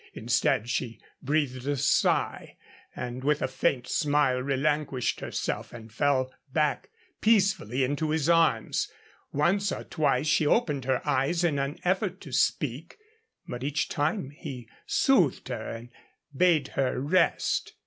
Instead, she breathed a sigh and with a faint smile relinquished herself and fell back peacefully into his arms. Once or twice she opened her eyes in an effort to speak, but each time he soothed her and bade her rest.